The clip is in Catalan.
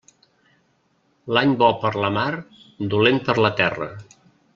L'any bo per la mar, dolent per la terra.